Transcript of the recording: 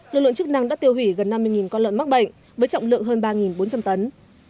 lực lượng chức năng đã tiêu hủy gần năm mươi con lợn mắc bệnh với trọng lượng hơn ba bốn trăm linh tấn